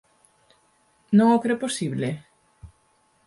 ¿Non o cre posible?